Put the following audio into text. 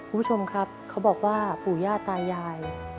ผู้ชมครับเขาบอกว่าผู้ญาติตายาย